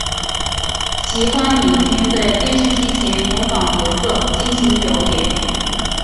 喜欢每天在电视机前模仿角色进行表演。